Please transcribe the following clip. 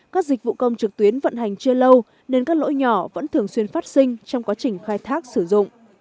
các dịch vụ công trực tuyến vận hành chưa lâu nên các lỗi nhỏ vẫn thường xuyên phát sinh trong quá trình khai thác sử dụng